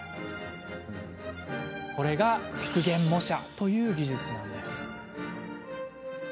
これが復元模写という技術なんです。